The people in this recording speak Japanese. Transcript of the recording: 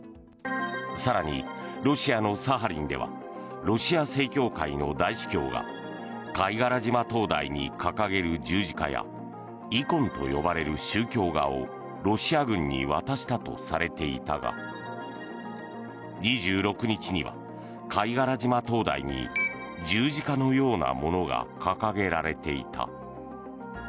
更に、ロシアのサハリンではロシア正教会の大司教が貝殻島灯台に掲げる十字架やイコンと呼ばれる宗教画をロシア軍に渡したとされていたが２６日には貝殻島灯台に十字架のようなものが掲げられていた。